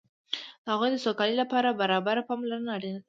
د هغوی سوکالۍ لپاره برابره پاملرنه اړینه ده.